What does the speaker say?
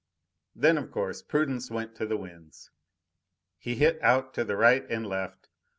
Then, of course, prudence went to the winds. He hit out to the right and left.